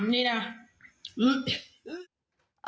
นี่นะ